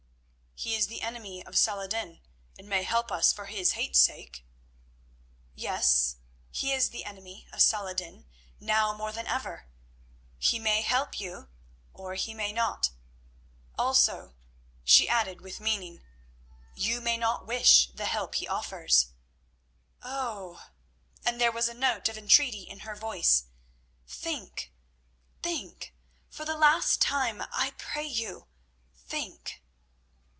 "He is the enemy of Saladin, and may help us for his hate's sake." "Yes, he is the enemy of Salah ed din now more than ever. He may help you or he may not. Also," she added with meaning, "you may not wish the help he offers. Oh!" and there was a note of entreaty in her voice, "think, think! For the last time, I pray you think!"